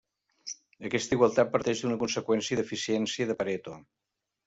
Aquesta igualtat parteix d'una conseqüència d'eficiència de Pareto.